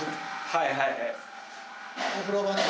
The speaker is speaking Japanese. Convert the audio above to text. はいはいはい。